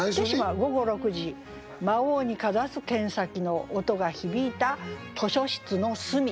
「午後六時魔王にかざす剣先の音が響いた図書室の隅」。